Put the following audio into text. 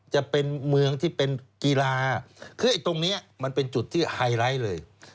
จะเป็นเมืองที่เป็นกีฬาคือไอ้ตรงนี้มันเป็นจุดที่ไฮไลท์เลย